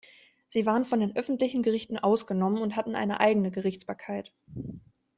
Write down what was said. Sie waren von den öffentlichen Gerichten ausgenommen und hatten eine eigene Gerichtsbarkeit.